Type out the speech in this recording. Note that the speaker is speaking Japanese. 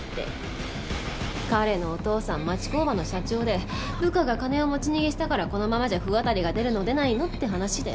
彼のお父さん町工場の社長で部下が金を持ち逃げしたからこのままじゃ不渡りが出るの出ないのって話で。